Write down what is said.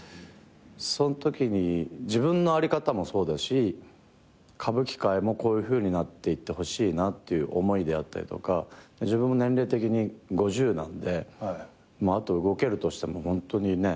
そのときに自分のあり方もそうだし歌舞伎界もこういうふうになっていってほしいなっていう思いであったりとか自分も年齢的に５０なんであと動けるとしてもホントにね何年。